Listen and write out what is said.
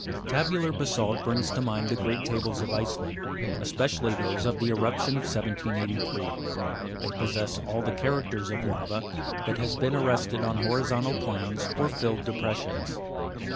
4. Tabular basa'lt brings to mind the great tables of Iceland, especially those of the eruption of 1783 ; they possess all the characters of lava that has been arrested on horizontal planes, or filled depressions.